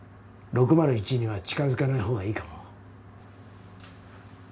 ６０１には近づかないほうがいいかも。